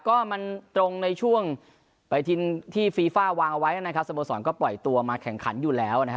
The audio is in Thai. ก็มันตรงในช่วงไปทินที่ฟีฟ่าวางเอาไว้นะครับสโมสรก็ปล่อยตัวมาแข่งขันอยู่แล้วนะครับ